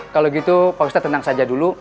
kalau gitu pak ustadz tenang saja dulu